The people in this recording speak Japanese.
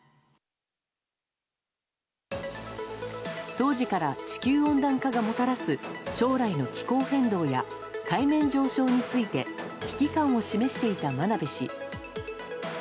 当時から地球温暖化がもたらす将来の気候変動や海面上昇について危機感を示していた真鍋氏。